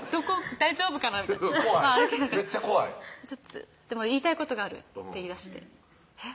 大丈夫かなみたいな怖いめっちゃ怖いでも「言いたいことがある」って言いだしてえっ